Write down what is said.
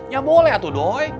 ya boleh atu doi